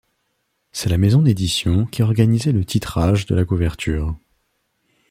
C'est la maison d'édition qui organisait le titrage de la couverture.